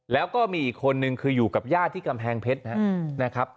แล้วก็มีอีกคนนึงคืออยู่กับญาติที่กำแพงเพชรนะครับ